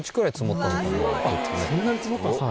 そんなに積もったんですか？